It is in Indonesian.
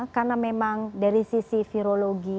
karena memang dari sisi virologi